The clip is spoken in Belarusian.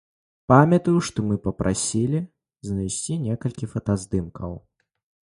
Памятаю, што мы папрасілі знайсці некалькі фотаздымкаў.